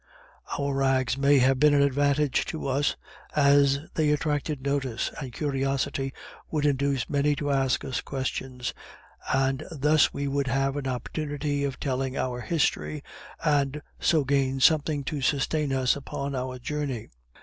Our rags may have been an advantage to us, as they attracted notice, and curiosity would induce many to ask us questions, and thus we would have an opportunity of telling our history, and so gain something to sustain us upon our journey.